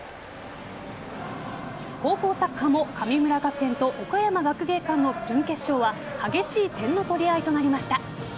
高校サッカーも神村学園と岡山学芸館の準決勝は激しい点の取り合いとなりました。